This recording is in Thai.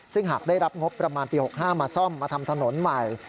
ซึ่งหากได้รับงบประมาณปี๖๕มาซ่อมมาทำถนนใหม่